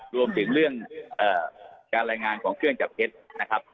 รวมถึงเรื่องการรายงานของเครื่องจับเท็จนะครับ